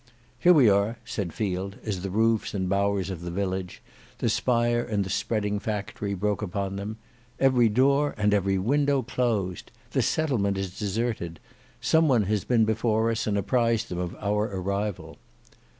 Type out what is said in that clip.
"Here we are," said Field, as the roofs and bowers of the village, the spire and the spreading factory, broke upon them. "Every door and every window closed! The settlement is deserted. Some one has been before us and apprised them of our arrival."